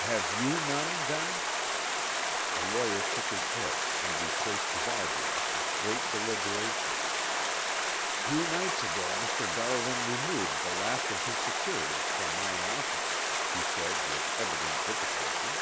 "Have you none, then?" The lawyer shook his head and replaced his eyeglass with great deliberation. "Two nights ago Mr. Darwin removed the last of his securities from my office," he said with evident difficulty.